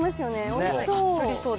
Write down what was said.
おいしそう。